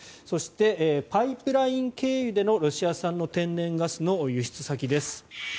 そして、パイプライン経由でのロシア産の天然ガスの輸出先。